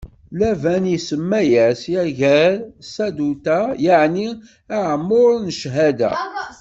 Laban isemma-as Yagar Saduta, yeɛni aɛemmuṛ n cchada.